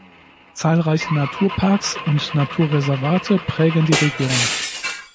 Zahlreiche Naturparks und Naturreservate prägen die Region.